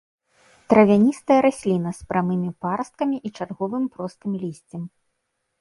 Травяністая расліна з прамымі парасткамі і чарговым простым лісцем.